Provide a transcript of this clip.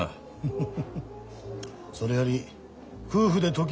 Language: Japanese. フフフ。